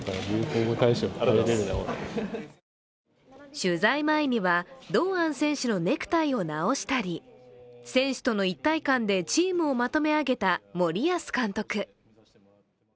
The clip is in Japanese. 取材前には堂安選手のネクタイを直したり、選手との一体感でチームをまとめ上げた森保監督。